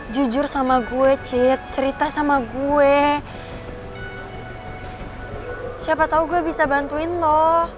jujur sama gue cit cerita sama gue siapa tau gue bisa bantuin lo